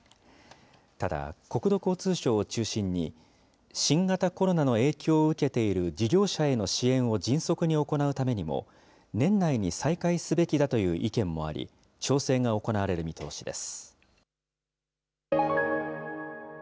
ただ、国土交通省を中心に、新型コロナの影響を受けている事業者への支援を迅速に行うためにも、年内に再開すべきだという意見もあり、調整が行われる見通しです。